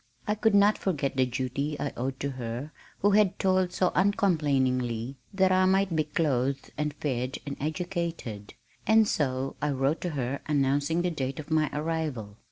I could not forget the duty I owed to her who had toiled so uncomplainingly that I might be clothed and fed and educated, and so I wrote to her announcing the date of my arrival.